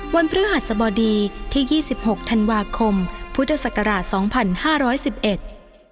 วันพฤหัสบดีที่๒๖ธันวาคมพุทธศักราช๒๕๑๑